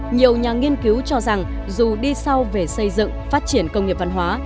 nhiều nhà nghiên cứu cho rằng dù đi sau về xây dựng phát triển công nghiệp văn hóa